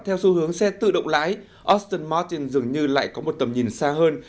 theo xu hướng xe tự động lái oston martin dường như lại có một tầm nhìn xa hơn